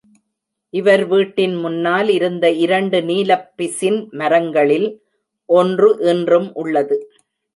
இவர் வீட்டின் முன்னால் இருந்த இரண்டு நீலப் பிசின் மரங்களில் ஒன்று இன்றும் உள்ளது.